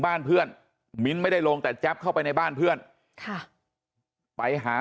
บ้านเพื่อนมิ้นท์ไม่ได้ลงแต่แจ๊บเข้าไปในบ้านเพื่อนค่ะไปหา